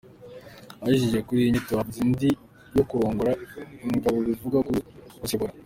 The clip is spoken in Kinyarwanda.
Hashingiye kuri iyi nyito havutse indi yo kuroongoora ingabo bivuga kuziyobora.